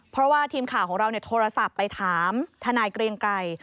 เพราะว่าทีมข่าวของเราโทรศัพท์ไปถามทนายเกรียงไกร